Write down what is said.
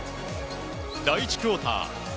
第１クオーター。